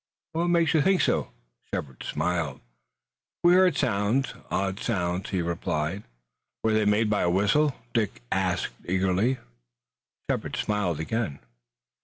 "What makes you think so?" Shepard smiled. "We heard sounds, odd sounds," he replied. "Were they made by a whistle?" Dick asked eagerly. Shepard smiled again.